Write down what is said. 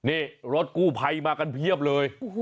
นี่รถกู้ภัยมากันเพียบเลย